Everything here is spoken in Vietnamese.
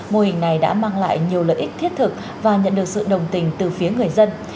mô hình này đã mang lại nhiều lợi ích thiết thực và nhận được sự đồng tình từ phía người dân